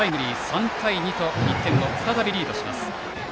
３対２と１点を再びリードします。